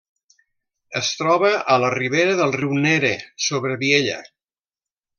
Es troba a la ribera del riu Nere, sobre Viella.